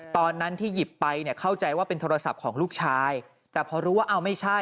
ตอนนั้นที่หยิบไปเนี่ยเข้าใจว่าเป็นโทรศัพท์ของลูกชายแต่พอรู้ว่าเอาไม่ใช่